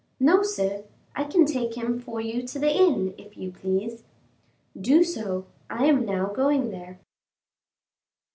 "No, sir, I can take him for you to the inn, if you please." "Do so, I am now going there."